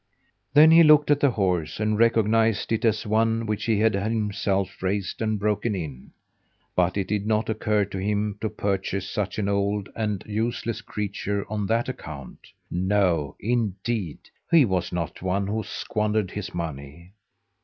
Then he looked at the horse and recognized it as one which he himself had raised and broken in; but it did not occur to him to purchase such an old and useless creature on that account. No, indeed! He was not one who squandered his money.